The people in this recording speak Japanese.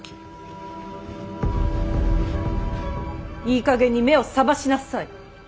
いいかげんに目を覚ましなさい。